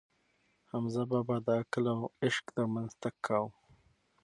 حمزه بابا د عقل او عشق ترمنځ تګ کاوه.